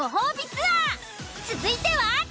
続いては。